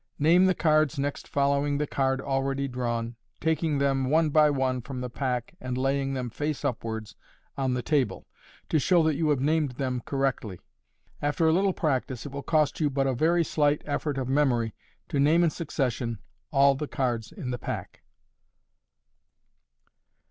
Name the cards next following the card already drawn, taking them one by one from the pack and laying them face upwards on the table, to show that you have named them correctly. After a little practice, it will cost you but a very slight effort of memory to name in succession all the cards in the pack.